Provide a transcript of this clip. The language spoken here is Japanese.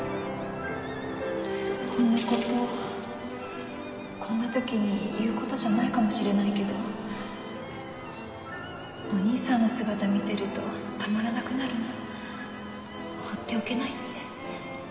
こんな事こんな時に言う事じゃないかもしれないけどお義兄さんの姿見てるとたまらなくなるの放っておけないって。